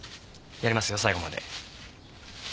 やりますよ最後まで。